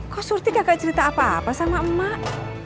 kok surti kagak cerita apa apa sama emak